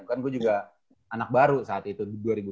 kan gue juga anak baru saat itu